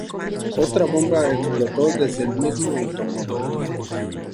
Otra bomba explotó desde el mismo automóvil.